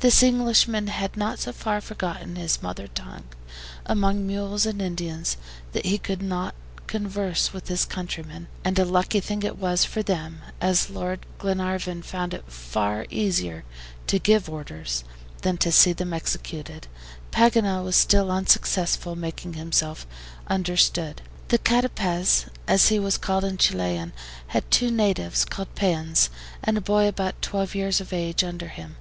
This Englishman had not so far forgotten his mother tongue among mules and Indians that he could not converse with his countrymen, and a lucky thing it was for them, as Lord Glenarvan found it far easier to give orders than to see them executed, Paganel was still unsuccessful in making himself understood. The CATAPEZ, as he was called in Chilian, had two natives called PEONS, and a boy about twelve years of age under him.